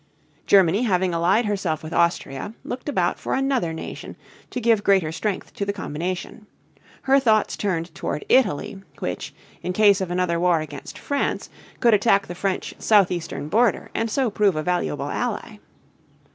Germany having allied herself with Austria, looked about for another nation to give greater strength to the combination. Her thoughts turned toward Italy, which, in case of another war against France, could attack the French southeastern border and so prove a valuable ally.